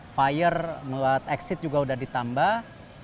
fire buat exit juga sudah ditambah